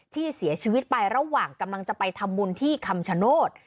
ที่เสียชีวิตไประหว่างกำลังจะไปทำบุญที่คำชโนธ